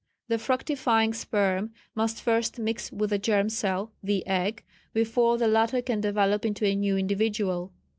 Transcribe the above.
The fructifying sperm must first mix with the germ cell (the egg) before the latter can develop into a new individual.